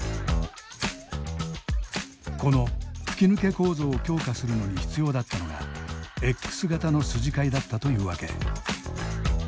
この吹き抜け構造を強化するのに必要だったのがＸ型の筋交いだったというわけ。